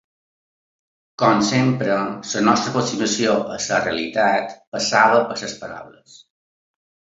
Com sempre, la nostra aproximació a la realitat passava per les paraules.